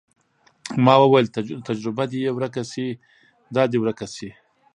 ما وويل تجربه دې يې ورکه سي دا دې ورکه سي.